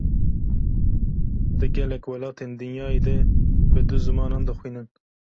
Di gelek welatên dinyayê de, bi du zimanan dixwînin